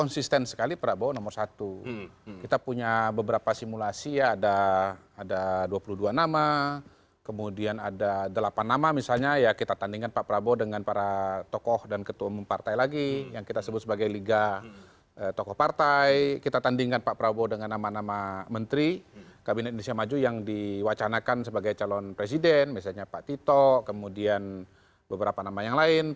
silahkan bang kodari dijelaskan lagi